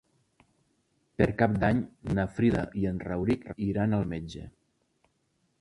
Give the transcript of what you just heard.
Per Cap d'Any na Frida i en Rauric iran al metge.